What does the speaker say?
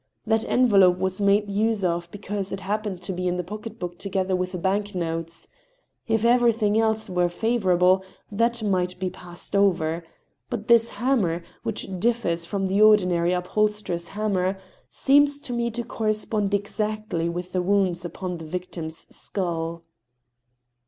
That envelope was made use of be cause it happened to be in the pocket book together with the bank notes. If everything else were favorable, that might be passed over, ^ut this hammer, which differs from the ordinary upholsterer's ham mer, seems to me to correspond exactly with the wounds upon the victim's skull."